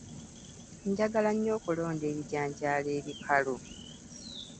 Njagalannyo okulonda ebijanjaalo ebikalu.